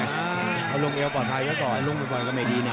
เอาลุงเบอร์ไทยไว้ก่อนก็ไม่ดีนะ